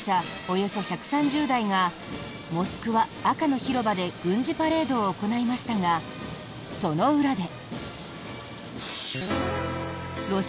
およそ１３０台がモスクワ・赤の広場で軍事パレードを行いましたがその裏で。